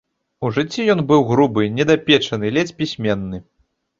У жыцці ён быў грубы, недапечаны, ледзь пісьменны.